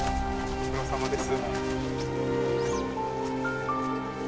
ご苦労さまです。